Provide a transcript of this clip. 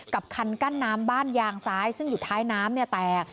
คันกั้นน้ำบ้านยางซ้ายซึ่งอยู่ท้ายน้ำเนี่ยแตก